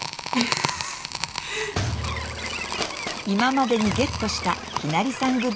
今までにゲットしたひなりさん